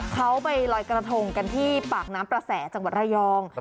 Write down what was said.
เขาไปลอยกระทงกันที่ปากน้ำประแสจังหวัดระยอง